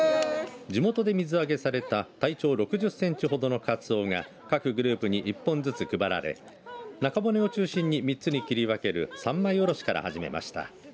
地元で水揚げされた体長６０センチほどのかつおが各グループに１本ずつ配られ中骨を中心に３つに切り分ける３枚おろしから始めました。